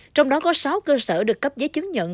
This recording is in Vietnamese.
trong đó có sáu cơ sở được cấp giấy chứng nhận